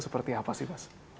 seperti apa sih mas